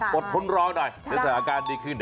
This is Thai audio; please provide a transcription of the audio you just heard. อดทนรอหน่อยเดี๋ยวสถานการณ์ดีขึ้น